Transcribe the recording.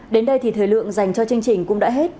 đến đây thì thời lượng dành cho chương trình cũng đã hết